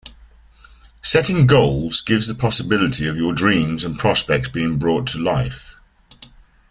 Setting goals gives the possibility of your dreams and prospects being brought to life.